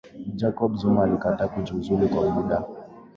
jacob zuma alikataa kujiuzulu kwa muda